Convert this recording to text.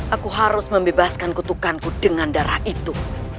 aku harus membebaskan kutukanku dengan darah itu